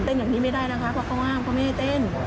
เต้นอย่างนี้ไม่ได้นะคะเขาก็ห้ามเขาไม่ให้เต้น